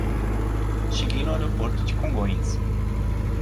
Cheguei no aeroporto de Congonhas